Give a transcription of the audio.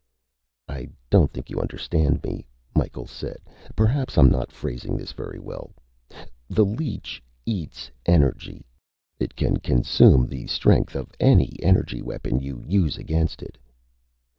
"I don't think you understand me," Micheals said. "Perhaps I'm not phrasing this very well. The leech eats energy. It can consume the strength of any energy weapon you use against it."